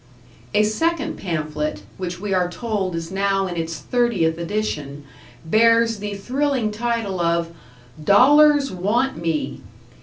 A second pamphlet, which we are told is now in its thirtieth edition, bears the thrilling title of "#Dollars Want Me#!"